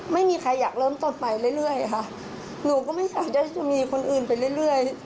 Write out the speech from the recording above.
ไม่มีใครอยากเริ่มต้นไปเรื่อยค่ะหนูก็ไม่อยากจะมีคนอื่นไปเรื่อย